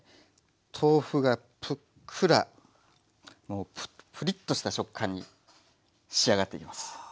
豆腐がぷっくらプリッとした食感に仕上がっていきます。